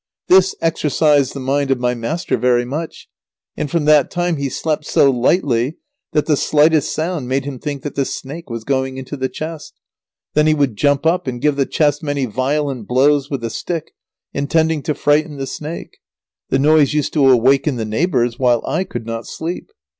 This exercised the mind of my master very much, and from that time he slept so lightly that the slightest sound made him think that the snake was going into the chest. Then he would jump up and give the chest many violent blows with a stick, intending to frighten the snake. The noise used to awaken the neighbours, while I could not sleep.